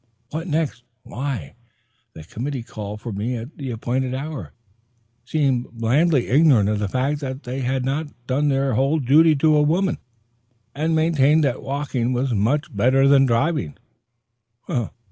What next? Why, the committee called for me at the appointed hour, seemed blandly ignorant of the fact that they had not done their whole duty to woman, and maintained that walking was much better than driving.